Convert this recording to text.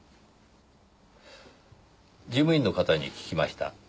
事務員の方に聞きました。